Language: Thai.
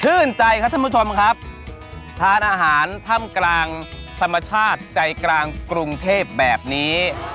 ใจครับท่านผู้ชมครับทานอาหารถ้ำกลางธรรมชาติใจกลางกรุงเทพแบบนี้